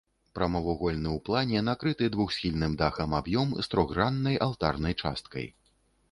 Прамавугольны ў плане накрыты двухсхільным дахам аб'ём з трохграннай алтарнай часткай.